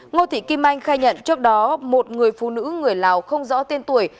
ngô thị kim anh khai nhận trước đó một người phụ nữ người lào không rõ tên tuổi